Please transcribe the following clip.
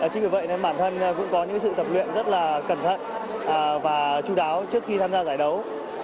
chính vì vậy nên bản thân cũng có những sự tập luyện rất là cẩn thận và chú đáo trước khi tham gia giải đấu